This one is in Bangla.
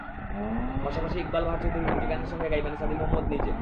পাশাপাশি ইকবাল বাহার চৌধুরীর দুটি গানের সঙ্গে গাইবেন সাদী মহম্মদ নিজে।